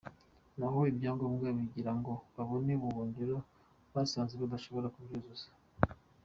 Naho ibyangombwa kugira ngo babone ubuhungiro basanze badashobora kubyuzuza.